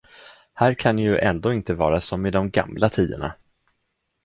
Här kan ju ändå inte vara som i de gamla tiderna.